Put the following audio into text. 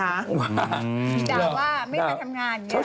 ด่าว่าไม่ไปทำงานอย่างนี้